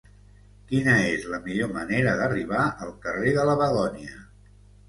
Quina és la millor manera d'arribar al carrer de la Begònia?